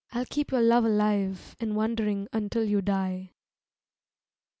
I'll keep your love alive anci wondering Until you die.